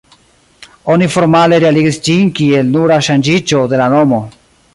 Oni formale realigis ĝin kiel nura ŝanĝiĝo de la nomo.